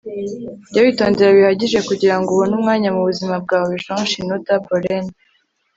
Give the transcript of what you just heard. jya witondera bihagije kugirango ubone umwanya mubuzima bwawe - jean shinoda bolen